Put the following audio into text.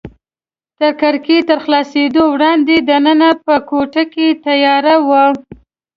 د کړکۍ تر خلاصېدو وړاندې دننه په کوټه کې تیاره وه.